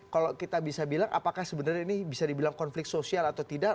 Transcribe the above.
kalau kita bisa bilang apakah sebenarnya ini bisa dibilang konflik sosial atau tidak